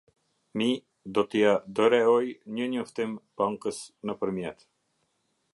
Mi do t'ia dëreoj një njoftim Bankës nëpërmjet.